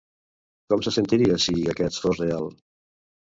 Com se sentiria si aquest fos real?